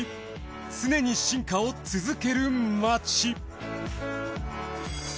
常に進化を続ける街。